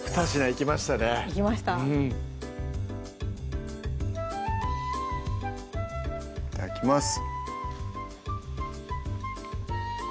いただきます